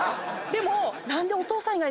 でも。